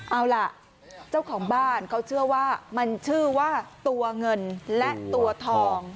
เอาล่ะเจ้าของบ้านเขาเชื่อว่ามันชื่อว่าตัวเงินและตัวทอง